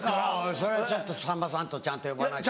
それはちょっと「さんまさん」とちゃんと呼ばないと。